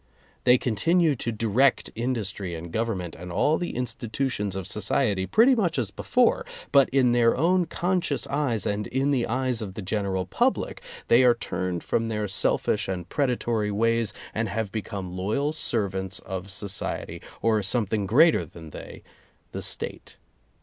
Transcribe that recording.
They continue to direct industry and gov ernment and all the institutions of society pretty much as before, but in their own conscious eyes and in the eyes of the general public, they are turned from their selfish and predatory ways, and have become loyal servants of society, or some thing greater than they — the State.